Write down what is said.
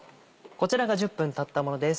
こちらが１０分たったものです